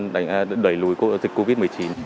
đẩy lùi dịch covid một mươi chín